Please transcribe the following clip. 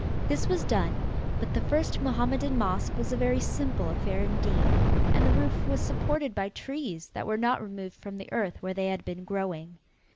This was done, but the first Mohammedan mosque was a very simple affair indeed and the roof was supported by trees that were not removed from the earth where they had been growing.